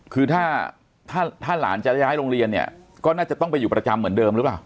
คือถ้าถ้าหลานจะย้ายโรงเรียนเนี่ยก็น่าจะต้องไปอยู่ประจำเหมือนเดิมหรือเปล่า